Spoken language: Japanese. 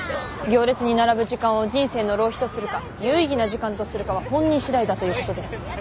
行列に並ぶ時間を人生の浪費とするか有意義な時間とするかは本人しだいだということです。